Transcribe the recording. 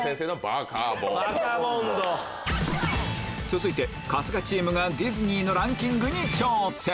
続いて春日チームがディズニーのランキングに挑戦